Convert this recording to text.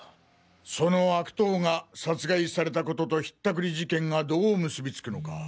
その悪党が殺害されたことと引ったくり事件がどう結びつくのか。